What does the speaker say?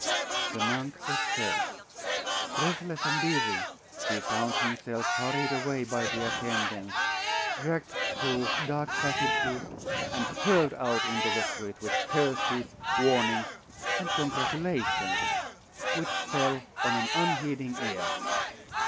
The monk was saved. Breathless and dizzy, he found himself hurried away by the attendants, dragged through dark passages, and hurled out into the street, with curses, warnings, and congratulations, which fell on an unheeding ear.